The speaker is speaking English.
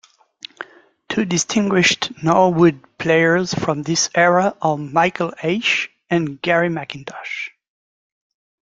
Two distinguished Norwood players from this era are Michael Aish and Garry McIntosh.